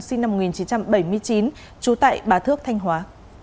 sinh năm một nghìn chín trăm bảy mươi chín trú tại bà thước thanh hóa